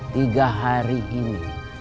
tiga hari ini